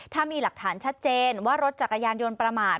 ถ้ามีหลักฐานชัดเจนว่ารถจักรยานยนต์ประมาท